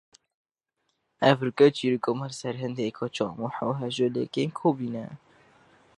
Ji bo sazkirina randevûyê li vir bitikînin.